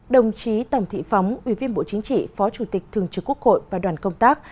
đồng chí tòng thị phóng ủy viên bộ chính trị phó chủ tịch thường trực quốc hội và đoàn công tác